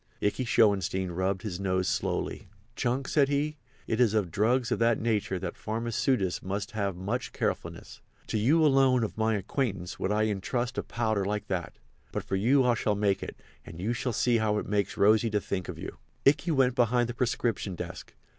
Ikey Schoenstein rubbed his nose slowly. "Chunk," said he, "it is of drugs of that nature that pharmaceutists must have much carefulness. To you alone of my acquaintance would I intrust a powder like that. But for you I shall make it, and you shall see how it makes Rosy to think of you." Ikey went behind the prescription desk.